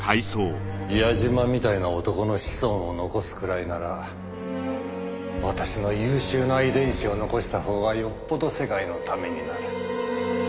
矢嶋みたいな男の子孫を残すくらいなら私の優秀な遺伝子を残した方がよっぽど世界のためになる。